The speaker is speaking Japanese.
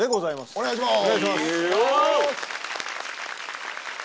お願いします。